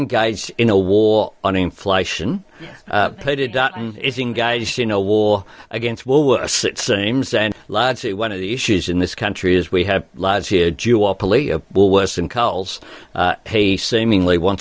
kita tergolong dalam perang terhadap inflasi